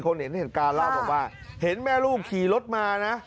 เห็นเหตุการณ์เล่าบอกว่าเห็นแม่ลูกขี่รถมานะ